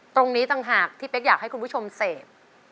ตรงนี้ต่างหากที่เป๊กอยากให้คุณผู้ชมเสพ